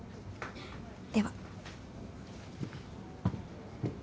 では。